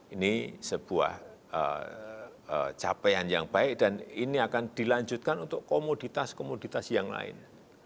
ini sebuah capaian yang baik dan ini akan dilanjutkan untuk komoditas komoditas yang lain